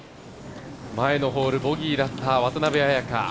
前のホール、ボギーだった渡邉彩香